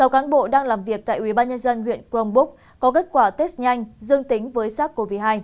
sáu cán bộ đang làm việc tại ubnd huyện crong búc có kết quả test nhanh dương tính với sars cov hai